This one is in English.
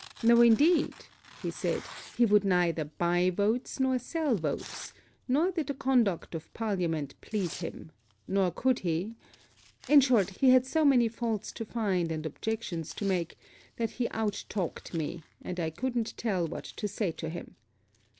'No, indeed,' he said, he would neither buy votes or sell votes; nor did the conduct of parliament please him; nor could he in short, he had so many faults to find and objections to make, that he out talked me, and I couldn't tell what to say to him.